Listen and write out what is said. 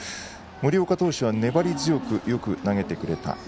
森岡投手は粘り強くよく投げてくれた。